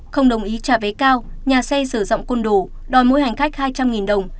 không đồng ý trả vé cao nhà xe sử dụng côn đồ đòi mỗi hành khách hai trăm linh đồng